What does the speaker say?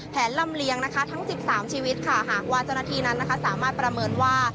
แผนลำเลียงทั้ง๑๓ชีวิตหากว่าจ้อนาทีนั้นสามารถประเมินว่า